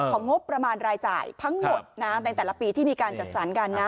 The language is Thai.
งบประมาณรายจ่ายทั้งหมดนะในแต่ละปีที่มีการจัดสรรกันนะ